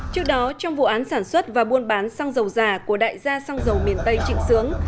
trước đó trong vụ án sản xuất và buôn bán xăng dầu giả của đại gia xăng dầu miền tây trịnh sướng